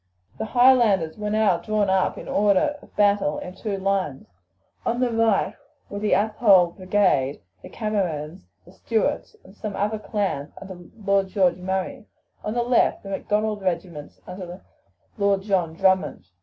The Highlanders were now drawn up in order of battle in two lines. On the right were the Athole brigade, the Camerons, the Stuarts, and some other clans under Lord George Murray; on the left the Macdonald regiments under Lord John Drummond.